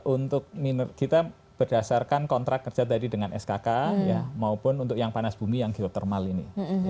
untuk kita berdasarkan kontrak kerja tadi dengan skk maupun untuk yang panas bumi yang geotermal ini